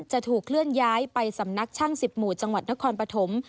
จะถูกเคลื่อนย้ายไปสำนักช่าง๑๐หมู่จังหวัดนครปฐม